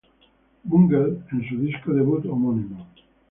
Bungle en su disco debut homónimo.